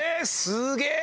すげえ！